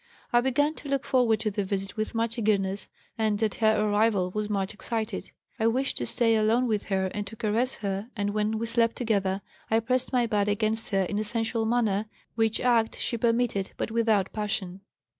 I began to look forward to the visit with much eagerness and at her arrival was much excited. I wished to stay alone with her and to caress her, and when we slept together I pressed my body against her in a sensual manner, which act she permitted, but without passion.